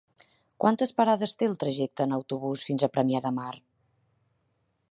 Quantes parades té el trajecte en autobús fins a Premià de Mar?